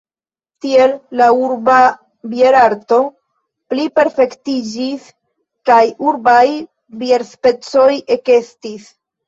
Tiel la urba bierarto pliperfektiĝis kaj urbaj bierspecoj ekestis.